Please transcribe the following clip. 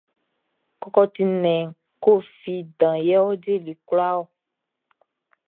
Kɔkɔti nnɛn Koffi dan yɛ ɔ dili kwlaa ɔ.